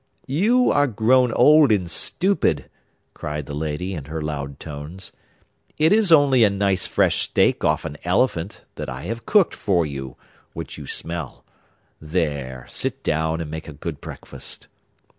'You are grown old and stupid,' cried the lady in her loud tones. 'It is only a nice fresh steak off an elephant, that I have cooked for you, which you smell. There, sit down and make a good breakfast.